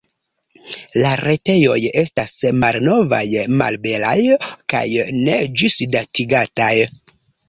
La retejoj estas malnovaj, malbelaj kaj ne ĝisdatigataj.